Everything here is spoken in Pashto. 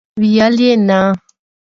ویل یې، نه!!!